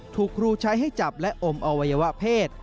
ถูกครูใช้ให้จับและอมอวัยวะเพศ